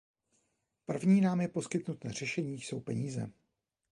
První námi poskytnuté řešení jsou peníze.